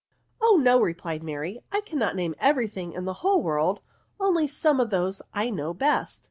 " Oh no," replied Mary; " I cannot name every thing in the whole world, only some of those I know best.